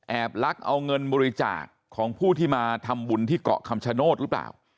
ลักเอาเงินบริจาคของผู้ที่มาทำบุญที่เกาะคำชโนธหรือเปล่า